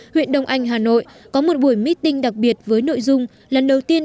huyện đông anh hà nội có một buổi meeting đặc biệt với nội dung lần đầu tiên